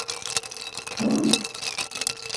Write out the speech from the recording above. Husani kwa wachezaji ambao ni walemavu